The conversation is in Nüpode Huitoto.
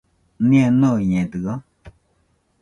Nia noiñedɨo?